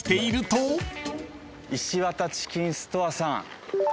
「石渡チキンストアー」さん。